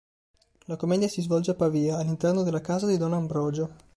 La commedia si svolge a Pavia, all'interno della casa di Don Ambrogio.